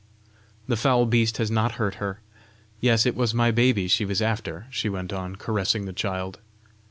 The foul beast has not hurt her! Yes: it was my baby she was after!" she went on, caressing the child.